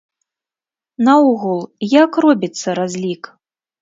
Наогул, як робіцца разлік?